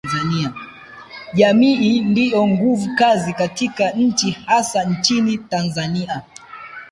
jamii ndiyo nguvu kazi katika nchi hasa nchini Tanzania